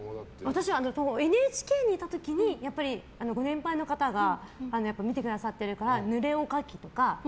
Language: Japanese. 私、ＮＨＫにいた時にご年配の方が見てくださってるから濡れおかきとか。